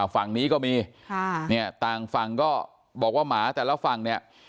ฝั่งนี้ก็มีค่ะเนี่ยต่างฝั่งก็บอกว่าหมาแต่ละฝั่งเนี่ย